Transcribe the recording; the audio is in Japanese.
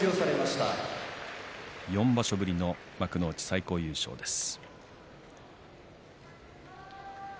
４場所ぶりの幕内最高優勝です。